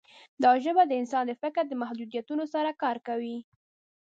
دا ژبه د انسان د فکر د محدودیتونو سره کار کوي.